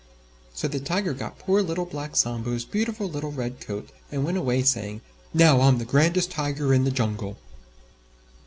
So the Tiger got poor Little Black Sambo's beautiful little Red Coat, and went away saying, "Now I'm the grandest Tiger in the Jungle."